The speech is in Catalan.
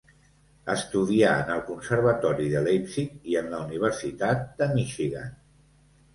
Estudià en el Conservatori de Leipzig i en la Universitat de Michigan.